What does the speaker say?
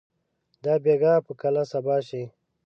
دا بېګا به کله صبا شي؟